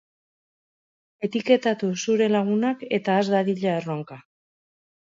Etiketatu zure lagunak eta has dadila erronka!